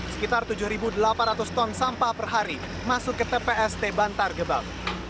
sekitar tujuh delapan ratus ton sampah per hari masuk ke tpst bantar gebang